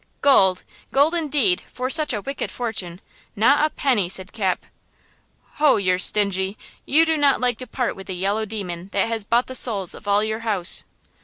"Gold! gold, indeed! for such a wicked fortune! Not a penny!" said Cap. "Ho! you're stingy; you do not like to part with the yellow demon that has bought the souls of all your house!"